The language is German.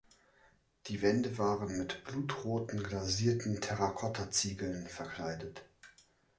Die Wände waren mit blutroten glasierten Terrakotta-Ziegeln verkleidet.